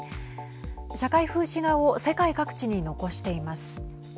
社会風刺画を世界各地に残しています。